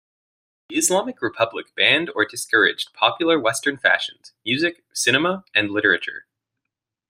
The Islamic Republic banned or discouraged popular Western fashions, music, cinema, and literature.